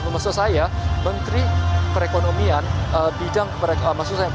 maksud saya menteri perekonomian bidang maksud saya